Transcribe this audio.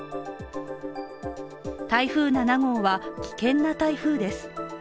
台風７号は、危険な台風です。